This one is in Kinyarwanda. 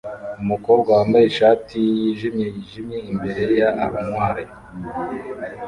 Umukobwa wambaye ishati yijimye yijimye imbere ya armoire